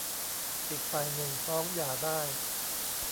อีกฝ่ายหนึ่งฟ้องหย่าได้